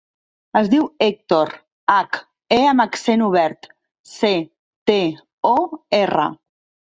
Es diu Hèctor: hac, e amb accent obert, ce, te, o, erra.